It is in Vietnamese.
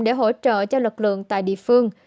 để hỗ trợ cho lực lượng tại địa phương